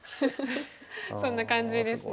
そんな感じですね。